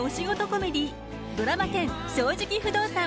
コメディードラマ１０「正直不動産」。